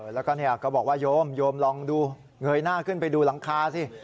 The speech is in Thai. แล้วก็ก็บอกว่าโยมโยมลองดูเงยหน้าขึ้นไปดูหลังคาสิ